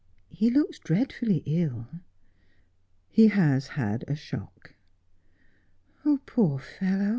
He looks dreadfully ill.' , He has had a shock.' ' Poor fellow